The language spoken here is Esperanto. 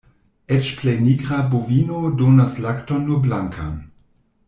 Eĉ plej nigra bovino donas lakton nur blankan.